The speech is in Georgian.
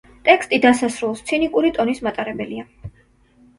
ტექსტი დასასრულს ცინიკური ტონის მატარებელია.